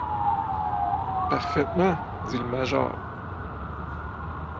Parfaitement, dit le major.